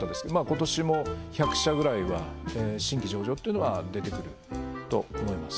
今年も１００社ぐらいは新規上場っていうのは出てくると思います